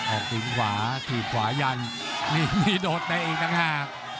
ออกถึงขวาถึงขวายันนี่มีโดดแต่เองกังหาก